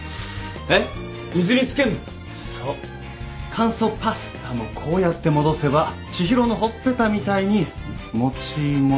乾燥パスタもこうやって戻せば知博のほっぺたみたいにもちもちさ。